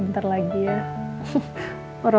oh ini semua berita di portal